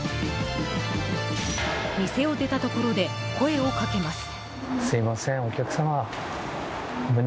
店を出たところで声をかけます。